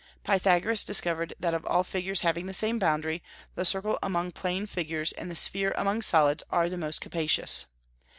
Pythagoras discovered that of all figures having the same boundary, the circle among plane figures and the sphere among solids are the most capacious.